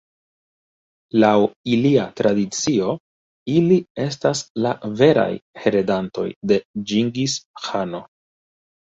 Laŭ ilia tradicio, ili estas la veraj heredantoj de Ĝingis-Ĥano.